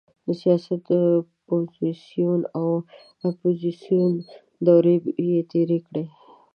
د سیاست پوزیسیون او اپوزیسیون دورې یې تېرې کړې.